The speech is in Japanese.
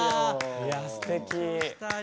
いやすてき。